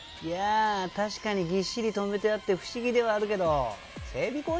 いや確かにぎっしり止めてあって不思議ではあるけど整備